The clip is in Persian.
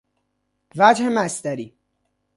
وجه مصدری